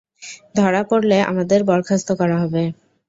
ধরা পড়লে আমাদের বরখাস্ত করা হবে।